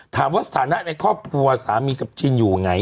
ถามว่าสถานะในครอบครัวสามีกับจินอยู่ไง